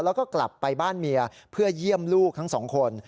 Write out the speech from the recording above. แล้วก็กลับไปบ้านเมียเพื่อเยี่ยมลูกทั้งสองคน